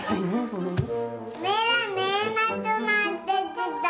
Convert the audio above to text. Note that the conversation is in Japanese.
目が見えなくなってきた。